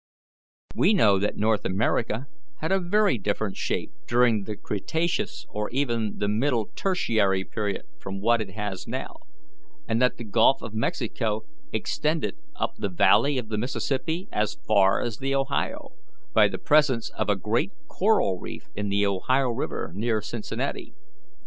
We know that North America had a very different shape during the Cretaceous or even the Middle Tertiary period from what it has now, and that the Gulf of Mexico extended up the valley of the Mississippi as far as the Ohio, by the presence of a great coral reef in the Ohio River near Cincinnati.